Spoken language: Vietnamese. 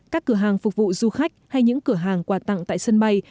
các cửa hàng phục vụ du khách hay những cửa hàng quà tặng tại sân bay